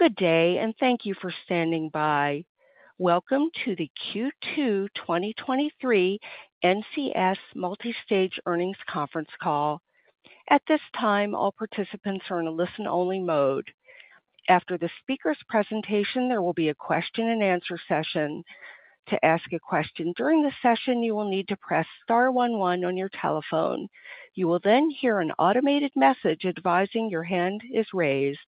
Good day, and thank you for standing by. Welcome to the Q2 2023 NCS Multistage Earnings Conference Call. At this time, all participants are in a listen-only mode. After the speaker's presentation, there will be a question-and-answer session. To ask a question during the session, you will need to press star one one on your telephone. You will then hear an automated message advising your hand is raised.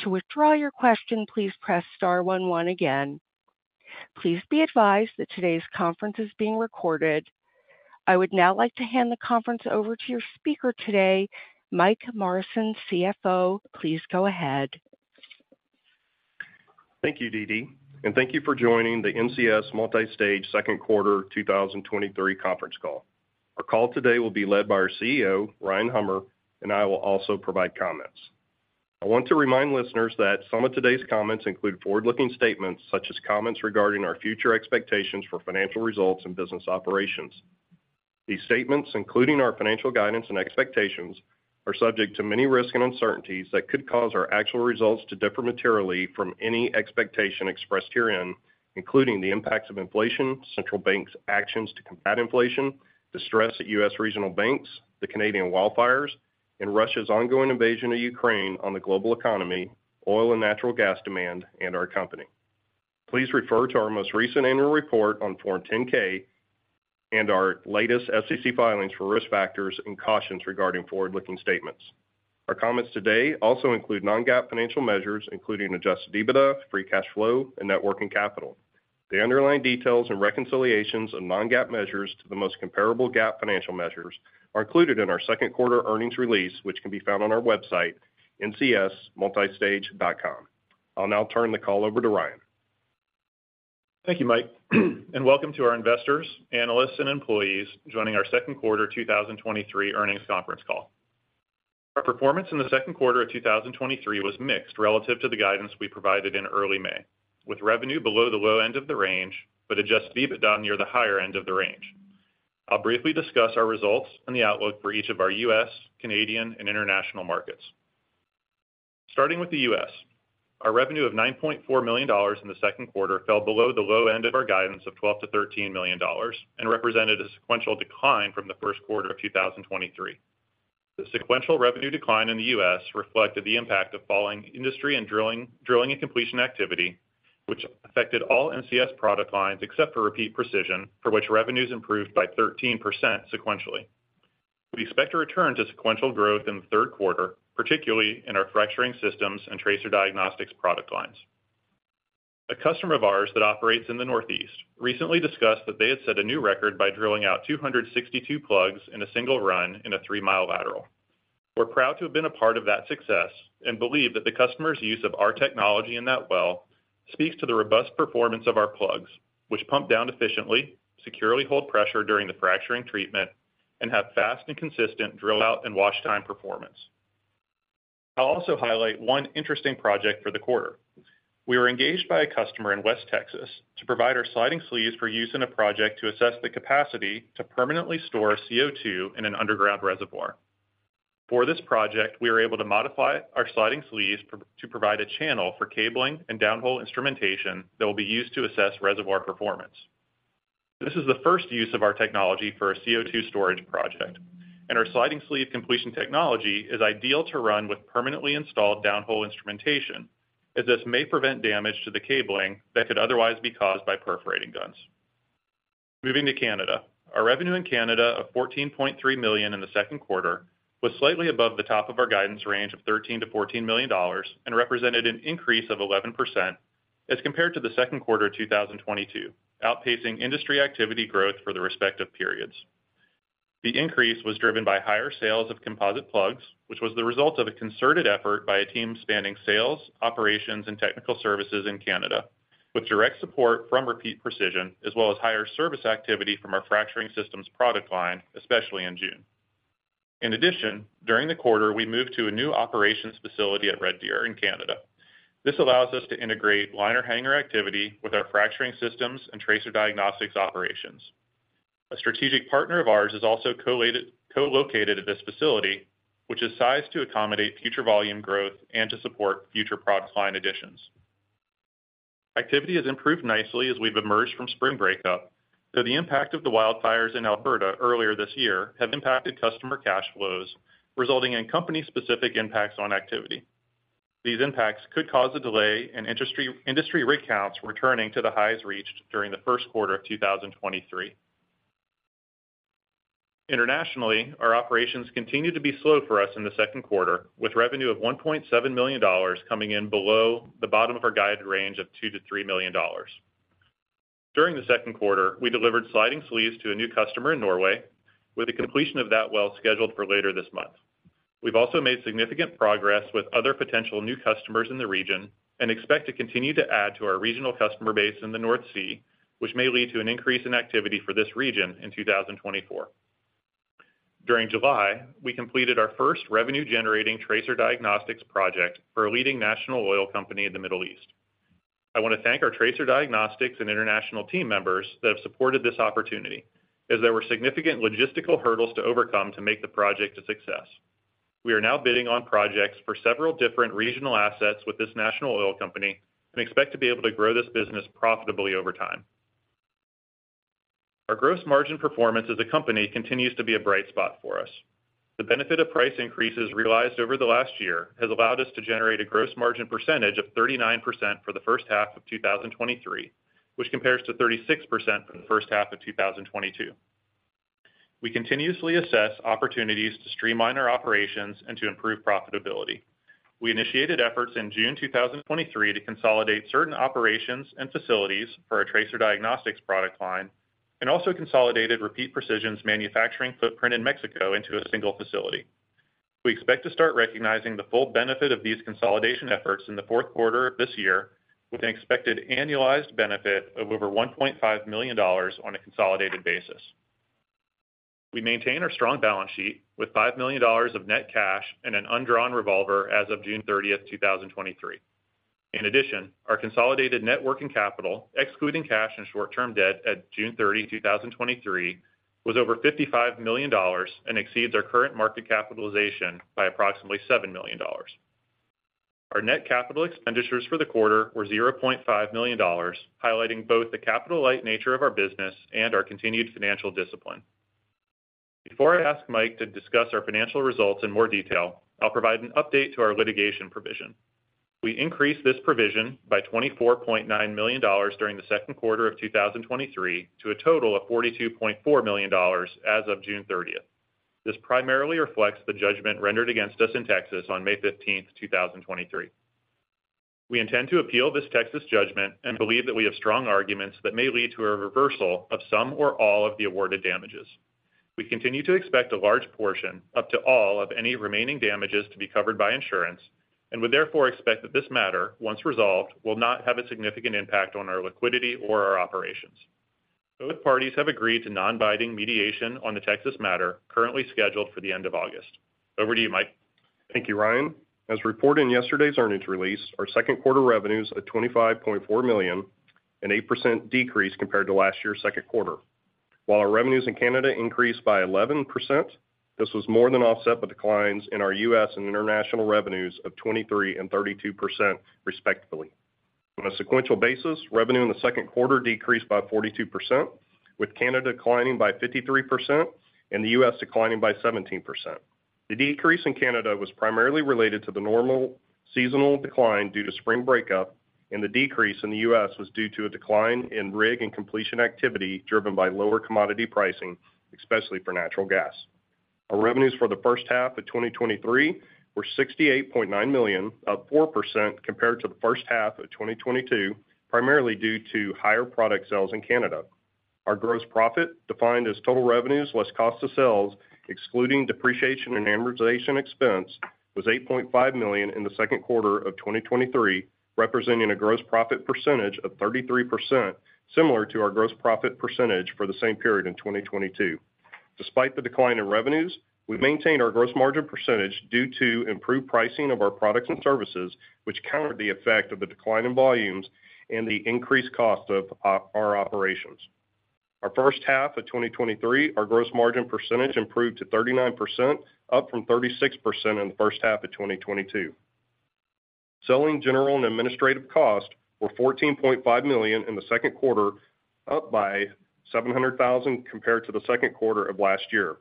To withdraw your question, please press star one one again. Please be advised that today's conference is being recorded. I would now like to hand the conference over to your speaker today, Michael Morrison, CFO. Please go ahead. Thank you, DeeDee, and thank you for joining the NCS Multistage Q2 2023 conference call. Our call today will be led by our CEO, Ryan Hummer, and I will also provide comments. I want to remind listeners that some of today's comments include forward-looking statements, such as comments regarding our future expectations for financial results and business operations. These statements, including our financial guidance and expectations, are subject to many risks and uncertainties that could cause our actual results to differ materially from any expectation expressed herein, including the impacts of inflation, central banks' actions to combat inflation, the stress at U.S. regional banks, the Canadian wildfires, and Russia's ongoing invasion of Ukraine on the global economy, oil and natural gas demand, and our company. Please refer to our most recent annual report on Form 10-K and our latest SEC filings for risk factors and cautions regarding forward-looking statements. Our comments today also include non-GAAP financial measures, including adjusted EBITDA, free cash flow, and net working capital. The underlying details and reconciliations of non-GAAP measures to the most comparable GAAP financial measures are included in our Q2 earnings release, which can be found on our website, ncsmultistage.com. I'll now turn the call over to Ryan. Thank you, Mike, and welcome to our investors, analysts, and employees joining our Q2 2023 earnings conference call. Our performance in the Q2 of 2023 was mixed relative to the guidance we provided in early May, with revenue below the low end of the range, but adjusted EBITDA near the higher end of the range. I'll briefly discuss our results and the outlook for each of our U.S., Canadian, and international markets. Starting with the U.S., our revenue of $9.4 million in the Q2 fell below the low end of our guidance of $12-$13 million and represented a sequential decline from the first quarter of 2023. The sequential revenue decline in the U.S. reflected the impact of falling industry and drilling and completion activity, which affected all NCS product lines except for Repeat Precision, for which revenues improved by 13% sequentially. We expect to return to sequential growth in the third quarter, particularly in our fracturing systems and tracer diagnostics product lines. A customer of ours that operates in the Northeast recently discussed that they had set a new record by drilling out 262 plugs in a single run in a three-mile lateral. We're proud to have been a part of that success and believe that the customer's use of our technology in that well speaks to the robust performance of our plugs, which pump down efficiently, securely hold pressure during the fracturing treatment, and have fast and consistent drill out and wash time performance. I'll also highlight one interesting project for the quarter. We were engaged by a customer in West Texas to provide our sliding sleeves for use in a project to assess the capacity to permanently store CO2 in an underground reservoir. For this project, we were able to modify our sliding sleeves to provide a channel for cabling and downhole instrumentation that will be used to assess reservoir performance. This is the first use of our technology for a CO2 storage project, and our sliding sleeve completion technology is ideal to run with permanently installed downhole instrumentation, as this may prevent damage to the cabling that could otherwise be caused by perforating guns. Moving to Canada. Our revenue in Canada of $14.3 million in the Q2 was slightly above the top of our guidance range of $13-$14 million and represented an increase of 11% as compared to the Q2 of 2022, outpacing industry activity growth for the respective periods. The increase was driven by higher sales of composite plugs, which was the result of a concerted effort by a team spanning sales, operations, and technical services in Canada, with direct support from Repeat Precision, as well as higher service activity from our fracturing systems product line, especially in June. In addition, during the quarter, we moved to a new operations facility at Red Deer in Canada. This allows us to integrate liner hanger activity with our fracturing systems and tracer diagnostics operations. A strategic partner of ours is also co-located at this facility, which is sized to accommodate future volume growth and to support future product line additions. Activity has improved nicely as we've emerged from spring breakup, though the impact of the wildfires in Alberta earlier this year have impacted customer cash flows, resulting in company-specific impacts on activity. These impacts could cause a delay in industry rig counts returning to the highs reached during the first quarter of 2023. Internationally, our operations continued to be slow for us in the Q2, with revenue of $1.7 million coming in below the bottom of our guided range of $2-$3 million. During the Q2, we delivered sliding sleeves to a new customer in Norway, with the completion of that well scheduled for later this month. We've also made significant progress with other potential new customers in the region and expect to continue to add to our regional customer base in the North Sea, which may lead to an increase in activity for this region in 2024. During July, we completed our first revenue-generating tracer diagnostics project for a leading national oil company in the Middle East. I want to thank our tracer diagnostics and international team members that have supported this opportunity, as there were significant logistical hurdles to overcome to make the project a success. We are now bidding on projects for several different regional assets with this national oil company and expect to be able to grow this business profitably over time. Our gross margin performance as a company continues to be a bright spot for us. The benefit of price increases realized over the last year has allowed us to generate a gross margin percentage of 39% for the first half of 2023, which compares to 36% for the first half of 2022. We continuously assess opportunities to streamline our operations and to improve profitability. We initiated efforts in June 2023 to consolidate certain operations and facilities for our tracer diagnostics product line and also consolidated Repeat Precision's manufacturing footprint in Mexico into a single facility. We expect to start recognizing the full benefit of these consolidation efforts in the fourth quarter of this year, with an expected annualized benefit of over $1.5 million on a consolidated basis. We maintain our strong balance sheet with $5 million of net cash and an undrawn revolver as of June 30, 2023. In addition, our consolidated net working capital, excluding cash and short-term debt at June 30, 2023, was over $55 million and exceeds our current market capitalization by approximately $7 million. Our net capital expenditures for the quarter were $0.5 million, highlighting both the capital light nature of our business and our continued financial discipline. Before I ask Mike to discuss our financial results in more detail, I'll provide an update to our litigation provision. We increased this provision by $24.9 million during the Q2 of 2023, to a total of $42.4 million as of June 30. This primarily reflects the judgment rendered against us in Texas on May 15th, 2023. We intend to appeal this Texas judgment and believe that we have strong arguments that may lead to a reversal of some or all of the awarded damages. We continue to expect a large portion, up to all of any remaining damages, to be covered by insurance, and would therefore expect that this matter, once resolved, will not have a significant impact on our liquidity or our operations. Both parties have agreed to non-binding mediation on the Texas matter, currently scheduled for the end of August. Over to you, Mike. Thank you, Ryan. As reported in yesterday's earnings release, our Q2 revenues of $25.4 million, an 8% decrease compared to last year's Q2. While our revenues in Canada increased by 11%, this was more than offset by declines in our U.S. and international revenues of 23% and 32%, respectively. On a sequential basis, revenue in the Q2 decreased by 42%, with Canada declining by 53% and the U.S. declining by 17%. The decrease in Canada was primarily related to the normal seasonal decline due to spring breakup, and the decrease in the U.S. was due to a decline in rig and completion activity driven by lower commodity pricing, especially for natural gas. Our revenues for the first half of 2023 were $68.9 million, up 4% compared to the first half of 2022, primarily due to higher product sales in Canada. Our gross profit, defined as total revenues less cost of sales, excluding depreciation and amortization expense, was $8.5 million in the Q2 of 2023, representing a gross profit percentage of 33%, similar to our gross profit percentage for the same period in 2022. Despite the decline in revenues, we've maintained our gross margin percentage due to improved pricing of our products and services, which countered the effect of the decline in volumes and the increased cost of our operations. Our first half of 2023, our gross margin percentage improved to 39%, up from 36% in the first half of 2022. Selling general and administrative costs were $14.5 million in the Q2, up by $700,000 compared to the Q2 of last year.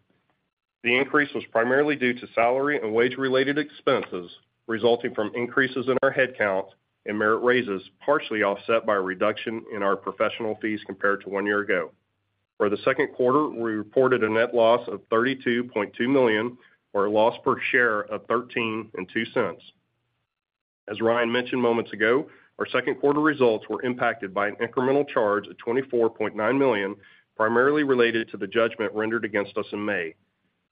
The increase was primarily due to salary and wage-related expenses, resulting from increases in our headcount and merit raises, partially offset by a reduction in our professional fees compared to one year ago. For the Q2, we reported a net loss of $32.2 million, or a loss per share of $0.1302. As Ryan mentioned moments ago, our Q2 results were impacted by an incremental charge of $24.9 million, primarily related to the judgment rendered against us in May.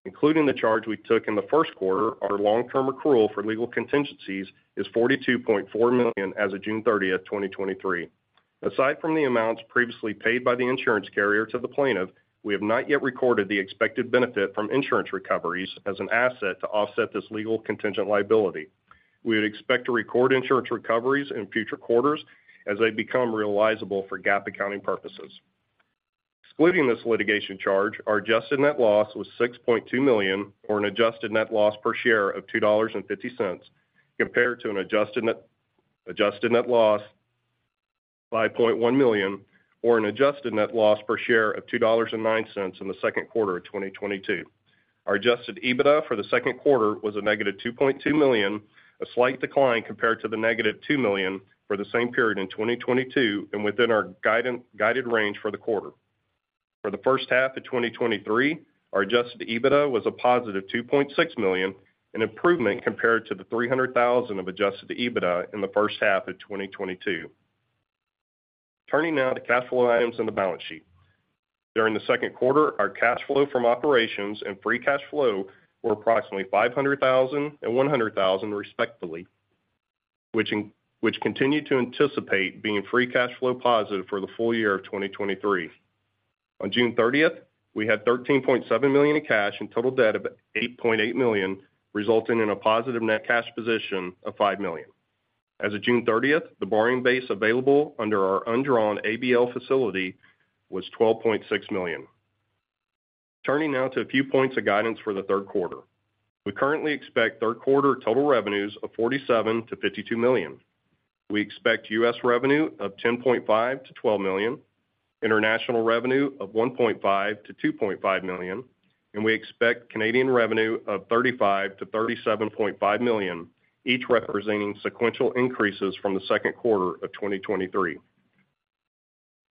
Including the charge we took in the first quarter, our long-term accrual for legal contingencies is $42.4 million as of June 30, 2023. Aside from the amounts previously paid by the insurance carrier to the plaintiff, we have not yet recorded the expected benefit from insurance recoveries as an asset to offset this legal contingent liability. We would expect to record insurance recoveries in future quarters as they become realizable for GAAP accounting purposes. Excluding this litigation charge, our adjusted net loss was $6.2 million, or an adjusted net loss per share of $2.50, compared to an adjusted net loss of $5.1 million, or an adjusted net loss per share of $2.09 in the Q2 of 2022. Our adjusted EBITDA for the Q2 was -$2.2 million, a slight decline compared to the -$2 million for the same period in 2022 and within our guidance- guided range for the quarter. For the first half of 2023, our adjusted EBITDA was a positive $2.6 million, an improvement compared to the $300,000 of adjusted EBITDA in the first half of 2022. Turning now to cash flow items on the balance sheet. During the Q2, our cash flow from operations and free cash flow were approximately $500,000 and $100,000, respectively, which continue to anticipate being free cash flow positive for the full year of 2023. On June 30th, we had $13.7 million in cash and total debt of $8.8 million, resulting in a positive net cash position of $5 million. As of June 30th, the borrowing base available under our undrawn ABL facility was $12.6 million. Turning now to a few points of guidance for the third quarter. We currently expect third quarter total revenues of $47-$52 million. We expect U.S. revenue of $10.5-$12 million, international revenue of $1.5-$2.5 million, and we expect Canadian revenue of $35-$37.5 million, each representing sequential increases from the Q2 of 2023.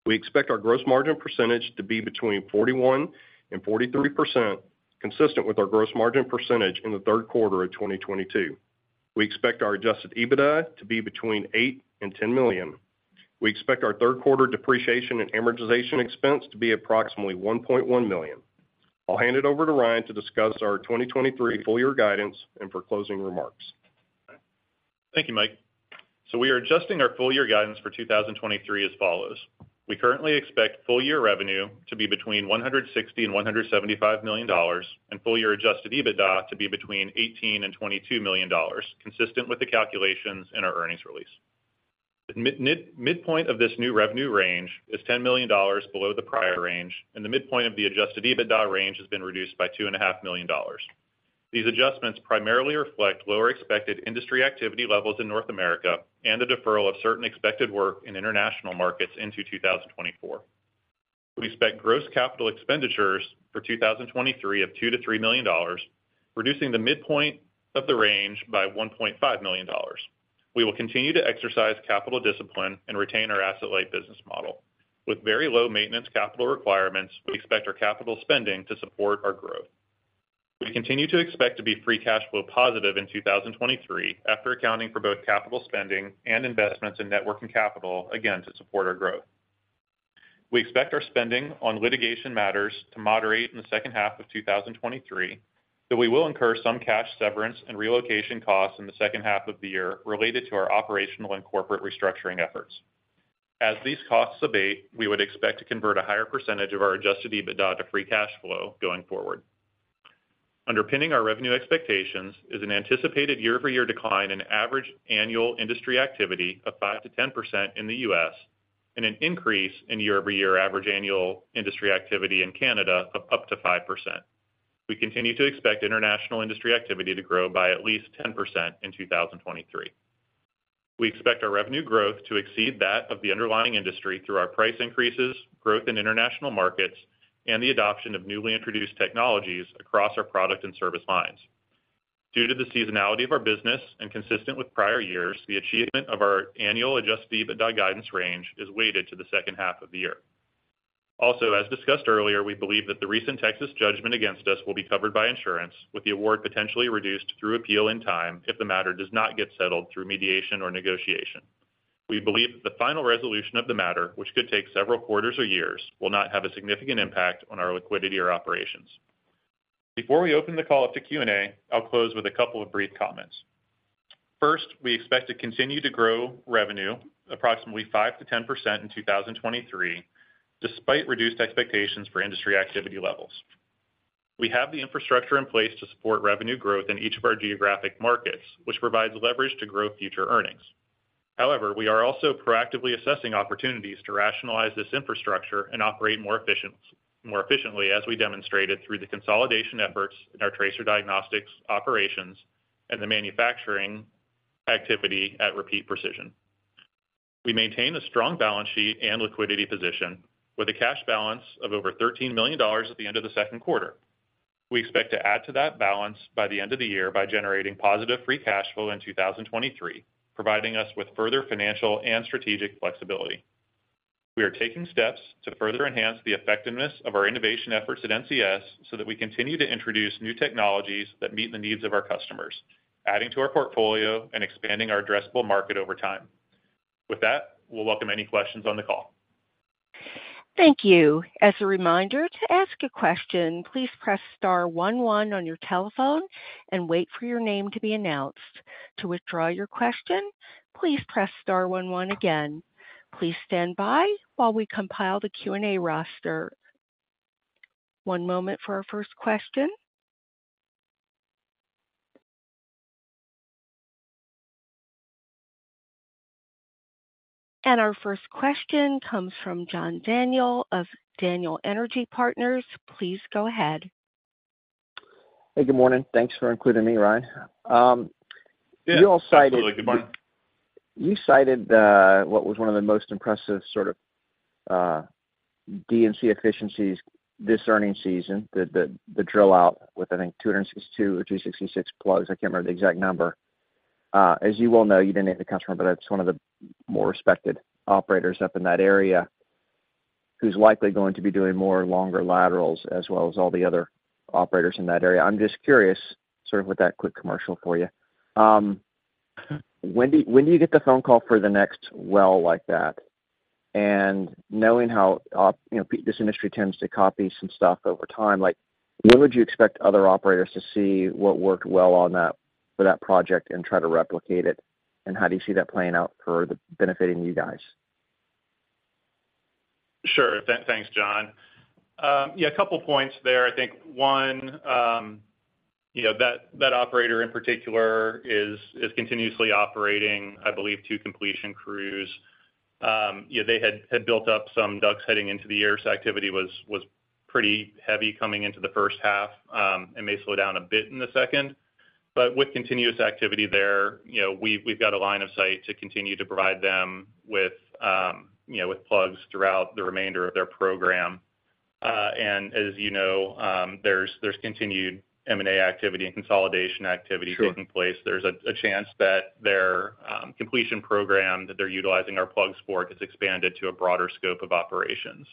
We expect our gross margin percentage to be between 41% and 43%, consistent with our gross margin percentage in the third quarter of 2022. We expect our adjusted EBITDA to be between $8 million and $10 million. We expect our third quarter depreciation and amortization expense to be approximately $1.1 million. I'll hand it over to Ryan to discuss our 2023 full year guidance and for closing remarks. Thank you, Mike. We are adjusting our full year guidance for 2023 as follows: We currently expect full year revenue to be between $160 million and $175 million, and full year adjusted EBITDA to be between $18 million and $22 million, consistent with the calculations in our earnings release. The midpoint of this new revenue range is $10 million below the prior range, and the midpoint of the adjusted EBITDA range has been reduced by $2.5 million. These adjustments primarily reflect lower expected industry activity levels in North America and the deferral of certain expected work in international markets into 2024. We expect gross capital expenditures for 2023 of $2-$3 million, reducing the midpoint of the range by $1.5 million. We will continue to exercise capital discipline and retain our asset-light business model. With very low maintenance capital requirements, we expect our capital spending to support our growth. We continue to expect to be free cash flow positive in 2023, after accounting for both capital spending and investments in net working capital, again, to support our growth. We expect our spending on litigation matters to moderate in the second half of 2023, though we will incur some cash severance and relocation costs in the second half of the year related to our operational and corporate restructuring efforts. As these costs abate, we would expect to convert a higher % of our adjusted EBITDA to free cash flow going forward. Underpinning our revenue expectations is an anticipated year-over-year decline in average annual industry activity of 5%-10% in the U.S., and an increase in year-over-year average annual industry activity in Canada of up to 5%. We continue to expect international industry activity to grow by at least 10% in 2023. We expect our revenue growth to exceed that of the underlying industry through our price increases, growth in international markets, and the adoption of newly introduced technologies across our product and service lines. Due to the seasonality of our business and consistent with prior years, the achievement of our annual adjusted EBITDA guidance range is weighted to the second half of the year. As discussed earlier, we believe that the recent Texas judgment against us will be covered by insurance, with the award potentially reduced through appeal in time if the matter does not get settled through mediation or negotiation. We believe that the final resolution of the matter, which could take several quarters or years, will not have a significant impact on our liquidity or operations. Before we open the call up to Q&A, I'll close with a couple of brief comments. First, we expect to continue to grow revenue approximately 5%-10% in 2023, despite reduced expectations for industry activity levels. We have the infrastructure in place to support revenue growth in each of our geographic markets, which provides leverage to grow future earnings. We are also proactively assessing opportunities to rationalize this infrastructure and operate more efficiently, as we demonstrated through the consolidation efforts in our tracer diagnostics operations and the manufacturing activity at Repeat Precision. We maintain a strong balance sheet and liquidity position with a cash balance of over $13 million at the end of the Q2. We expect to add to that balance by the end of the year by generating positive free cash flow in 2023, providing us with further financial and strategic flexibility. We are taking steps to further enhance the effectiveness of our innovation efforts at NCS, so that we continue to introduce new technologies that meet the needs of our customers, adding to our portfolio and expanding our addressable market over time. With that, we'll welcome any questions on the call. Thank you. As a reminder, to ask a question, please press star 11 on your telephone and wait for your name to be announced. To withdraw your question, please press star 11 again. Please stand by while we compile the Q&A roster. One moment for our first question. Our first question comes from John Daniel of Daniel Energy Partners. Please go ahead. Hey, good morning. Thanks for including me, Ryan. you all cited- Yeah, absolutely. Good morning. You cited what was one of the most impressive sort of D&C efficiencies this earnings season, the, the, the drill out with, I think, 262 or 266 plugs. I can't remember the exact number. As you well know, you didn't name the customer, but that's one of the more respected operators up in that area, who's likely going to be doing more longer laterals, as well as all the other operators in that area. I'm just curious, sort of with that quick commercial for you, when do you, when do you get the phone call for the next well like that? Knowing how, you know, this industry tends to copy some stuff over time, like, when would you expect other operators to see what worked well on that, for that project and try to replicate it? How do you see that playing out for benefiting you guys? Sure. Thank, thanks, John. Yeah, a couple points there. I think one, you know, that, that operator in particular is, is continuously operating, I believe, 2 completion crews. Yeah, they had, had built up some DUCs heading into the year. Activity was, was pretty heavy coming into the first half, it may slow down a bit in the second, but with continuous activity there, you know, we've, we've got a line of sight to continue to provide them with, you know, with plugs throughout the remainder of their program. As you know, there's, there's continued M&A activity and consolidation activity- Sure. -taking place. There's a, a chance that their completion program, that they're utilizing our plugs for, gets expanded to a broader scope of operations.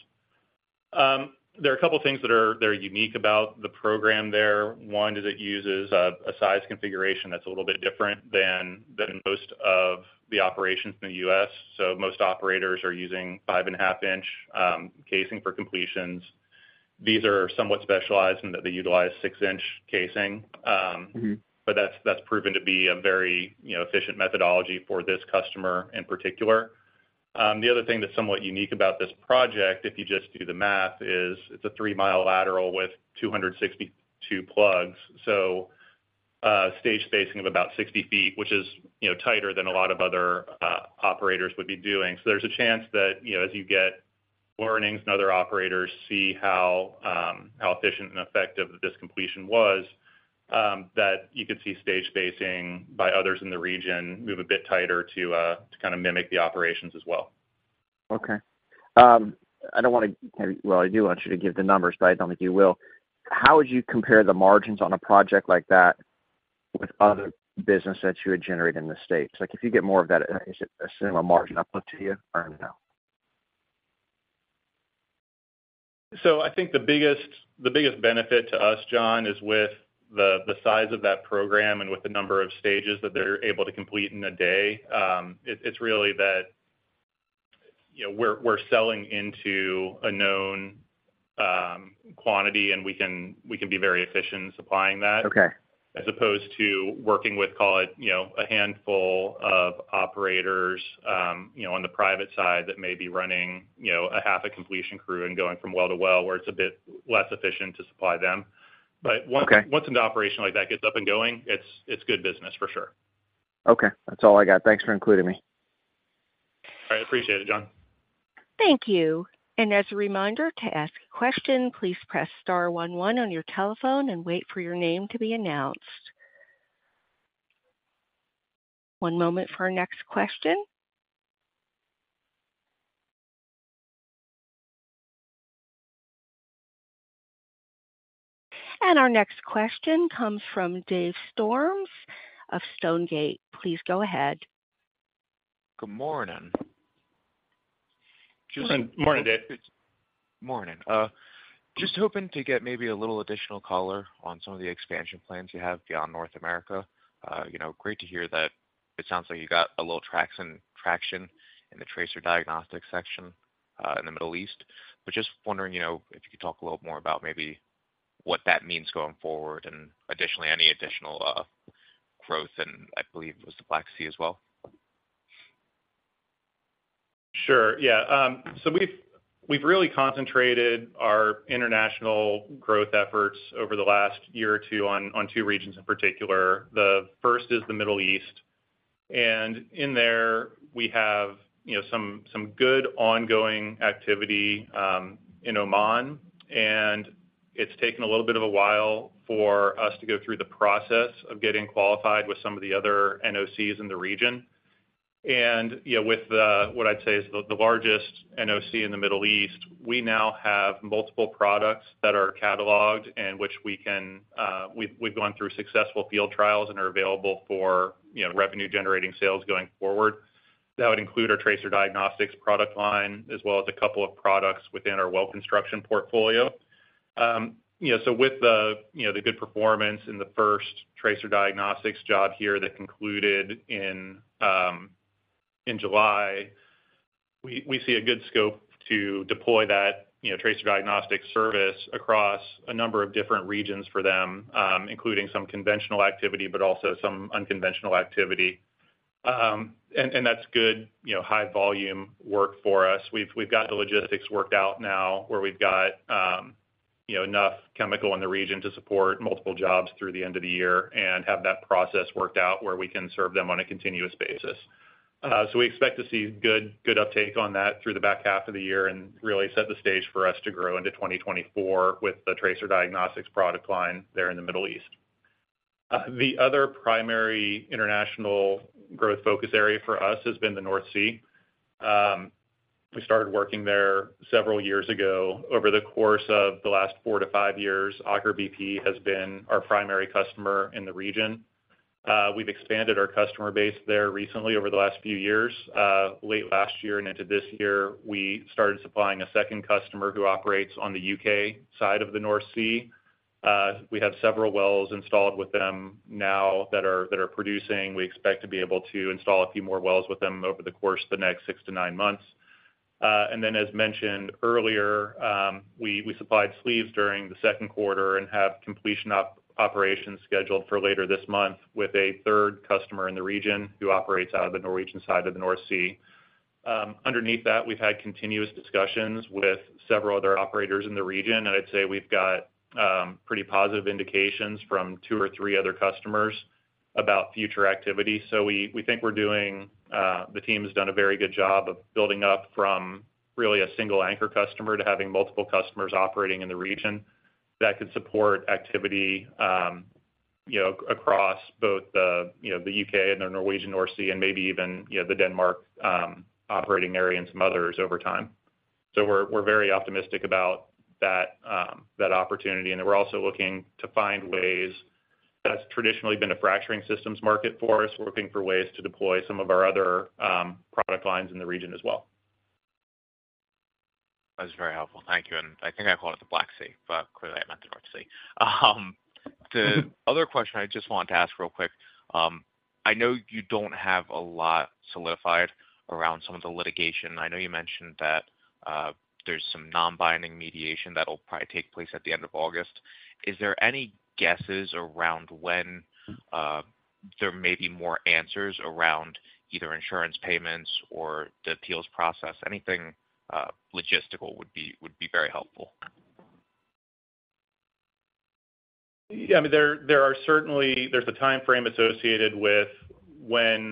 There are a couple of things that are, that are unique about the program there. One is it uses a size configuration that's a little bit different than, than most of the operations in the U.S. Most operators are using 5.5 inch casing for completions. These are somewhat specialized in that they utilize 6-inch casing. Mm-hmm. That's, that's proven to be a very, you know, efficient methodology for this customer in particular. The other thing that's somewhat unique about this project, if you just do the math, is it's a 3-mile lateral with 262 plugs, so stage spacing of about 60 feet, which is, you know, tighter than a lot of other operators would be doing. There's a chance that, you know, as you get more earnings and other operators see how efficient and effective this completion was, that you could see stage spacing by others in the region, move a bit tighter to kind of mimic the operations as well. Okay. I don't want to, well, I do want you to give the numbers, but I don't think you will. How would you compare the margins on a project like that with other business that you would generate in the States? Like, if you get more of that, is it a similar margin uplift to you or no? I think the biggest, the biggest benefit to us, John, is with the, the size of that program and with the number of stages that they're able to complete in 1 day. It's, it's really that, you know, we're, we're selling into a known quantity, and we can, we can be very efficient in supplying that. Okay. As opposed to working with, call it, you know, a handful of operators, you know, on the private side that may be running, you know, a half a completion crew and going from well to well, where it's a bit less efficient to supply them. Okay. Once an operation like that gets up and going, it's good business for sure. Okay. That's all I got. Thanks for including me. I appreciate it, John. Thank you. As a reminder to ask a question, please press star 11 on your telephone and wait for your name to be announced. One moment for our next question. Our next question comes from Dave Storms of Stonegate. Please go ahead. Good morning. Morning, Dave. Morning. Just hoping to get maybe a little additional color on some of the expansion plans you have beyond North America. You know, great to hear that it sounds like you got a little traction, traction in the Tracer Diagnostics section in the Middle East. But just wondering, you know, if you could talk a little more about maybe what that means going forward and additionally, any additional growth in, I believe was the Black Sea as well? Sure. Yeah, so we've, we've really concentrated our international growth efforts over the last year or two on, on two regions in particular. The first is the Middle East, and in there, we have, you know, some, some good ongoing activity in Oman, and it's taken a little bit of a while for us to go through the process of getting qualified with some of the other NOCs in the region. You know, with the, what I'd say is the, the largest NOC in the Middle East, we now have multiple products that are cataloged and which we can, we've, we've gone through successful field trials and are available for, you know, revenue-generating sales going forward. That would include our tracer diagnostics product line, as well as a couple of products within our well construction portfolio. So with the, you know, the good performance in the first tracer diagnostics job here that concluded in July, we, we see a good scope to deploy that, you know, tracer diagnostics service across a number of different regions for them, including some conventional activity, but also some unconventional activity. That's good, you know, high volume work for us. We've, we've got the logistics worked out now where we've got, you know, enough chemical in the region to support multiple jobs through the end of the year and have that process worked out where we can serve them on a continuous basis. We expect to see good, good uptake on that through the back half of the year and really set the stage for us to grow into 2024 with the tracer diagnostics product line there in the Middle East. The other primary international growth focus area for us has been the North Sea. We started working there several years ago. Over the course of the last 4 to 5 years, Aker BP has been our primary customer in the region. We've expanded our customer base there recently over the last few years. Late last year and into this year, we started supplying a second customer who operates on the U.K. side of the North Sea. We have several wells installed with them now that are producing. We expect to be able to install a few more wells with them over the course of the next six to nine months. Then as mentioned earlier, we supplied sleeves during the Q2 and have completion operations scheduled for later this month with a third customer in the region who operates out of the Norwegian side of the North Sea. Underneath that, we've had continuous discussions with several other operators in the region, I'd say we've got pretty positive indications from two or three other customers about future activity. We, we think we're doing, the team has done a very good job of building up from really a single anchor customer to having multiple customers operating in the region that could support activity, you know, across both the, you know, the U.K. and the Norwegian North Sea and maybe even, you know, the Denmark operating area and some others over time. We're, we're very optimistic about that, that opportunity, and we're also looking to find ways, that's traditionally been a fracturing systems market for us. We're looking for ways to deploy some of our other, product lines in the region as well. That's very helpful. Thank you. I think I called it the Black Sea, but clearly, I meant the North Sea. The other question I just wanted to ask real quick, I know you don't have a lot solidified around some of the litigation. I know you mentioned that there's some non-binding mediation that will probably take place at the end of August. Is there any guesses around when there may be more answers around either insurance payments or the appeals process? Anything logistical would be, would be very helpful. Yeah, I mean, there, there are certainly, there's a timeframe associated with when,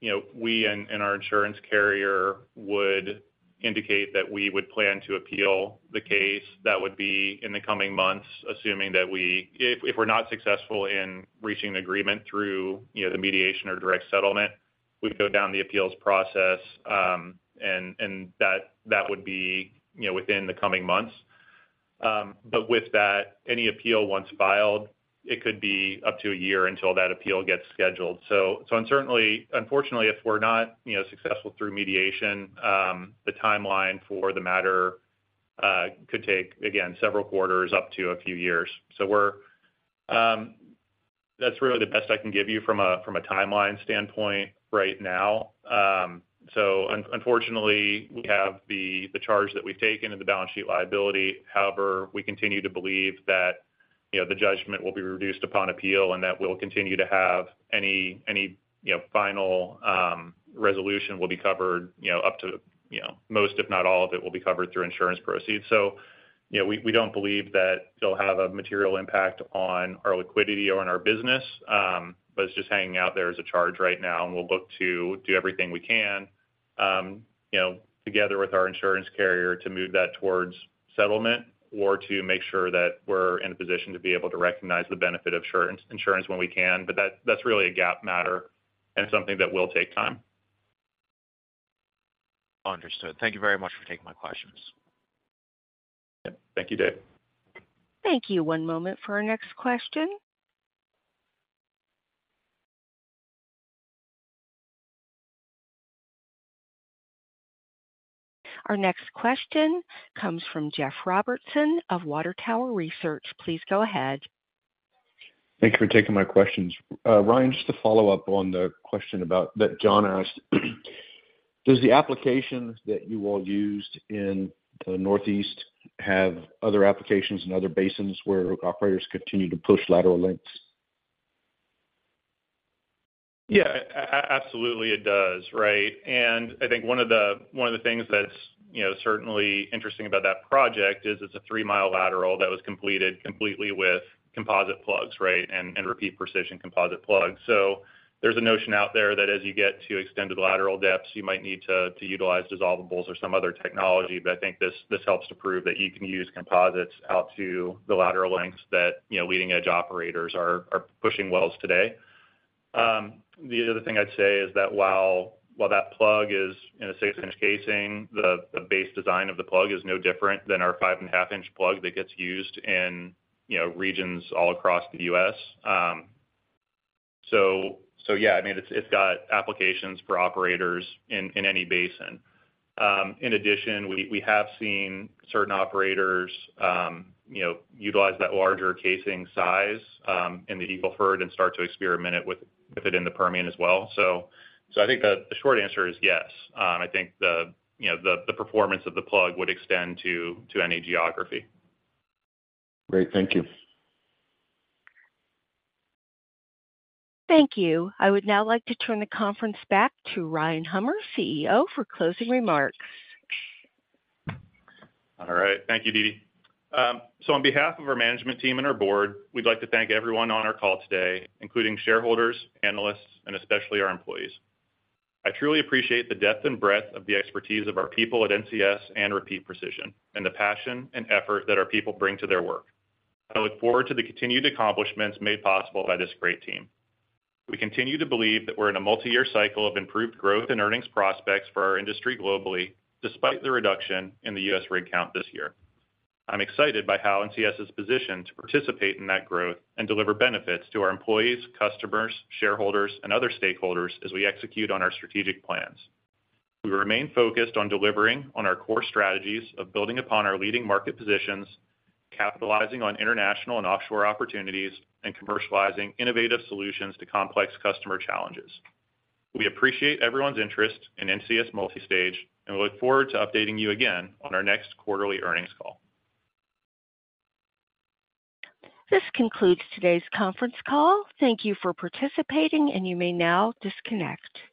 you know, we and, and our insurance carrier would indicate that we would plan to appeal the case. That would be in the coming months, assuming that we, if we're not successful in reaching an agreement through, you know, the mediation or direct settlement, we'd go down the appeals process, and, and that, that would be, you know, within the coming months. With that, any appeal once filed, it could be up to a year until that appeal gets scheduled. Certainly, unfortunately, if we're not, you know, successful through mediation, the timeline for the matter, could take, again, several quarters, up to a few years. So we're. That's really the best I can give you from a, from a timeline standpoint right now. Unfortunately, we have the, the charge that we've taken and the balance sheet liability. However, we continue to believe that, you know, the judgment will be reduced upon appeal and that we'll continue to have any, any, you know, final, resolution will be covered, you know, up to, you know, most, if not all of it, will be covered through insurance proceeds. You know, we, we don't believe that they'll have a material impact on our liquidity or on our business, but it's just hanging out there as a charge right now, and we'll look to do everything we can, you know, together with our insurance carrier, to move that towards settlement or to make sure that we're in a position to be able to recognize the benefit of insurance, insurance when we can. That, that's really a GAAP matter and something that will take time. Understood. Thank you very much for taking my questions. Thank you, Dave. Thank you. One moment for our next question. Our next question comes from Jeff Robertson of Water Tower Research. Please go ahead. Thank you for taking my questions. Ryan, just to follow up on the question about That John asked, does the applications that you all used in the Northeast have other applications in other basins where operators continue to push lateral lengths? Yeah, absolutely it does, right? I think one of the things that's, you know, certainly interesting about that project is it's a 3-mile lateral that was completed completely with Composite Plugs, right? Repeat Precision Composite Plugs. There's a notion out there that as you get to extended lateral depths, you might need to utilize dissolvables or some other technology, but I think this, this helps to prove that you can use composites out to the lateral lengths that, you know, leading edge operators are pushing wells today. The other thing I'd say is that while that plug is in a 6-inch casing, the base design of the plug is no different than our 5.5-inch plug that gets used in, you know, regions all across the U.S. So yeah, I mean, it's, it's got applications for operators in, in any basin. In addition, we, we have seen certain operators, you know, utilize that larger casing size in the Eagle Ford and start to experiment with it in the Permian as well. So I think the short answer is yes. I think the, you know, the, the performance of the plug would extend to, to any geography. Great. Thank you. Thank you. I would now like to turn the conference back to Ryan Hummer, CEO, for closing remarks. All right. Thank you, Didi. On behalf of our management team and our board, we'd like to thank everyone on our call today, including shareholders, analysts, and especially our employees. I truly appreciate the depth and breadth of the expertise of our people at NCS and Repeat Precision, and the passion and effort that our people bring to their work. I look forward to the continued accomplishments made possible by this great team. We continue to believe that we're in a multi-year cycle of improved growth and earnings prospects for our industry globally, despite the reduction in the U.S. rig count this year. I'm excited by how NCS is positioned to participate in that growth and deliver benefits to our employees, customers, shareholders, and other stakeholders as we execute on our strategic plans. We remain focused on delivering on our core strategies of building upon our leading market positions, capitalizing on international and offshore opportunities, and commercializing innovative solutions to complex customer challenges. We appreciate everyone's interest in NCS Multistage. We look forward to updating you again on our next quarterly earnings call. This concludes today's conference call. Thank you for participating, and you may now disconnect.